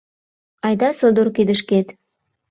Айда содор кидышкет